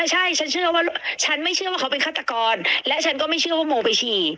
ใช่ฉันเชื่อว่าฉันไม่เชื่อว่าเขาเป็นฆาตกรและฉันก็ไม่เชื่อว่าโมไปฉี่